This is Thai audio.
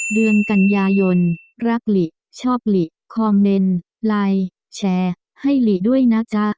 เดือนกันยายนรักหลิชอบหลีคอมเมนต์ไลน์แชร์ให้หลีด้วยนะจ๊ะ